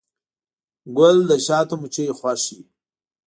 ګل د شاتو مچیو خوښ وي.